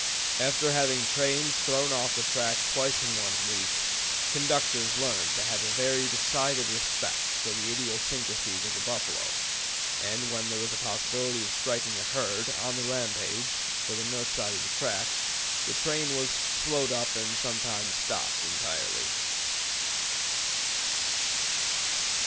After having trains thrown off the track twice in one week, conductors learned to have a very decided respect for the idiosyncrasies of the buffalo, and when there was a possibility of striking a herd 'on the rampage' for the north side of the track, the train was slowed up and sometimes stopped entirely."